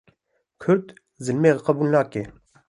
Kurd zilmê qebûl nake